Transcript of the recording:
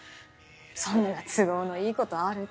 そんな都合のいいことある？